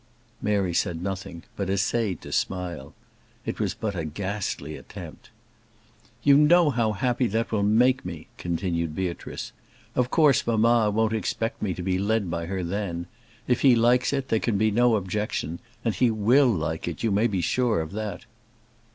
Mary said nothing, but essayed to smile. It was but a ghastly attempt. "You know how happy that will make me," continued Beatrice. "Of course mamma won't expect me to be led by her then: if he likes it, there can be no objection; and he will like it, you may be sure of that."